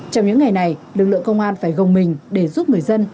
trong những ngày này lực lượng công an phải gồng mình để giúp người dân